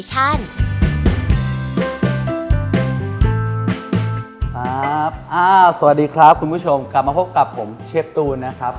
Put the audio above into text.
สวัสดีครับคุณผู้ชมกลับมาพบกับผมเชฟตูนนะครับ